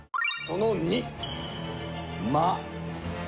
その２。